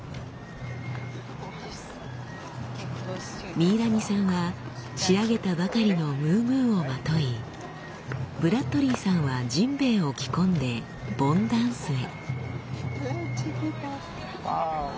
ミイラニさんは仕上げたばかりのムームーをまといブラッドリーさんはじんべいを着込んで盆ダンスへ。